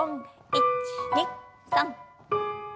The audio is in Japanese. １２３。